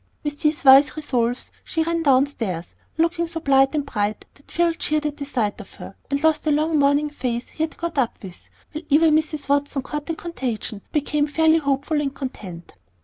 With these wise resolves she ran down stairs, looking so blithe and bright that Phil cheered at the sight of her, and lost the long morning face he had got up with, while even Mrs. Watson caught the contagion, and became fairly hopeful and content.